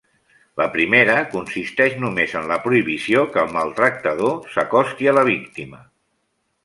La primera consisteix només en la prohibició que el maltractador s'acosti a la víctima.